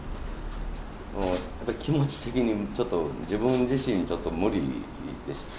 やっぱり気持ち的に、ちょっと、自分自身ちょっと、無理です。